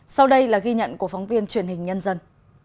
sau đây là ghi nhận của phóng viên truyền hình nhân dân